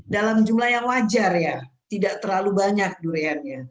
dalam jumlah yang wajar ya tidak terlalu banyak duriannya